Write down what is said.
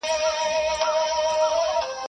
و فقير ته د سپو سلا يوه ده.